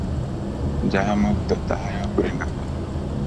যাহা মুক্ত, তাহাই অপরিণামী।